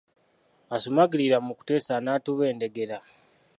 Asumaagirirra mu kuteesa anaatubendegera.